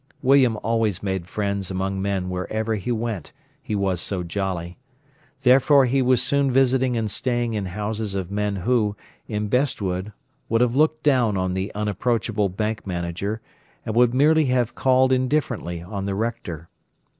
William always made friends among men wherever he went, he was so jolly. Therefore he was soon visiting and staying in houses of men who, in Bestwood, would have looked down on the unapproachable bank manager, and would merely have called indifferently on the Rector.